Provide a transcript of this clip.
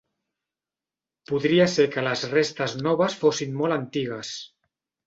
Podria ser que les restes noves fossin molt antigues.